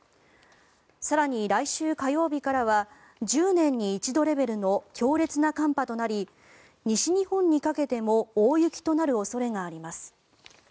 更に、来週火曜日からは１０年に一度レベルの強烈な寒波となり西日本にかけても大雪となる恐れがあります。